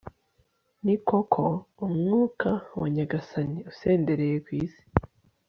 ni koko, umwuka wa nyagasani usendereye isi